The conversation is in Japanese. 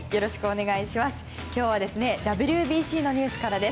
今日はＷＢＣのニュースからです。